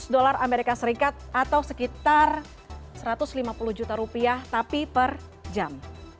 sebelas lima ratus dolar as atau sekitar satu ratus lima puluh juta rupiah tapi per jam